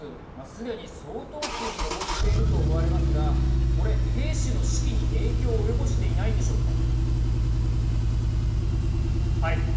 すでに相当数に上っていると思われますがこれ、兵士の士気に影響を及ぼしていないんでしょうか。